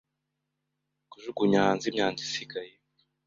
Kujugunya hanze imyanda isigaye.